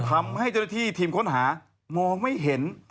ทำให้เจ้าหน้าที่ทีมค้นหามองไม่เห็น